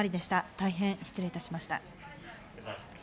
大変失礼いたしました。